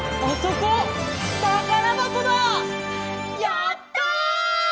やった！